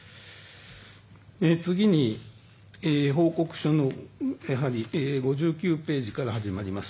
次に、報告書の５９ページから始まります